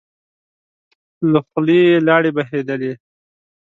له خولی يې لاړې بهېدلې.